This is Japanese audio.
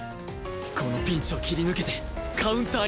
このピンチを切り抜けてカウンターに繋げる！